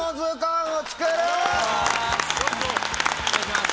お願いします！